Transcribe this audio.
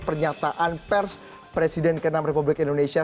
pernyataan pers presiden ke enam republik indonesia